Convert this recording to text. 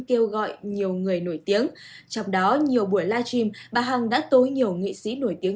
kêu gọi nhiều người nổi tiếng trong đó nhiều buổi live stream bà hằng đã tố nhiều nghệ sĩ nổi tiếng